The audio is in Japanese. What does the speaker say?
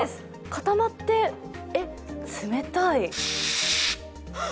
固まって冷たい。